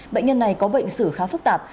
bệnh nhân này có bệnh sử khá phức tạp